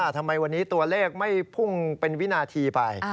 ทำไมวันนี้ตัวเลขไม่พุ่งเป็นวินาทีไป